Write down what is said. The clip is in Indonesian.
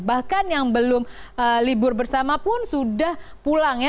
bahkan yang belum libur bersama pun sudah pulang ya